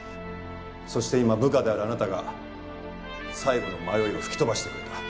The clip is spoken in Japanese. そして今部下であるあなたが最後の迷いを吹き飛ばしてくれた。